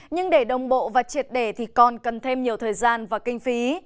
nhưng để đồng bộ và triệt đề thì còn cần thêm nhiều thời gian và kinh phí